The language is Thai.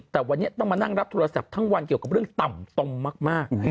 แต่วันนี้ต้องมานั่งรับโทรศัพท์ทั้งวันเกี่ยวกับเรื่องต่ำตมมาก